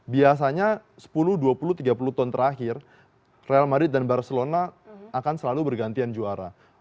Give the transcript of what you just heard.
biasanya sepuluh dua puluh tiga puluh tahun terakhir real madrid dan barcelona akan selalu bergantian juara